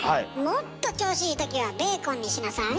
もっと調子いい時はベーコンにしなさい。